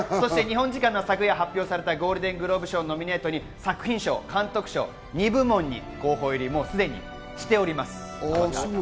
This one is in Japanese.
日本時間の昨夜発表されたゴールデングローブ賞ノミネートに作品賞、監督賞、２部門に候補入り、すでにしております。